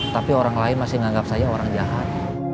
tapi orang lain masih menganggap saya orang jahat